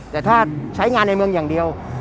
แต่ถ้าใช้งานในเมืองอย่างเดียว